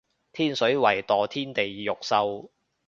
天水圍墮天地獄獸